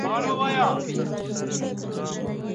پلان لرونکي خلګ کم تېروځي.